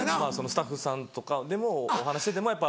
スタッフさんとかでもお話ししててもやっぱ。